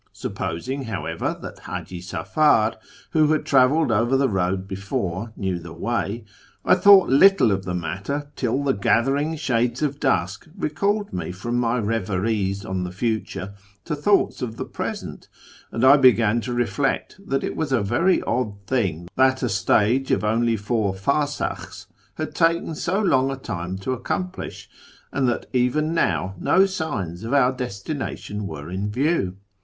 Supposing, however, that Haji Safar, who had travelled over the road before, knew the way, I thought little of the matter till the gathering shades of dusk recalled me from reveries on the future to thoughts of the present, and I began to reflect that it was a very odd thing that a stage of only four farsaJihs had taken so long a time to accomplish, and that even now no signs of our destination were in view.